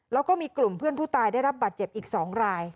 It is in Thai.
แล้วก็มีกลุ่มเพื่อนผู้ตายได้รับบาดเจ็บอีก๒ราย